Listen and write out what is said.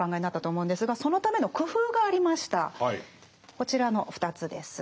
こちらの２つです。